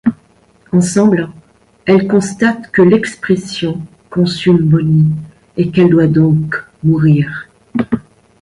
Ensemble, elles constatent que l'Expression consume Bonnie, et qu'elle doit donc mourir.